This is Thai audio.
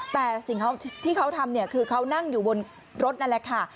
แต่สิ่งที่เขาทำเนี่ยคือเขานั่งอยู่บนรถนั่นแหละค่ะ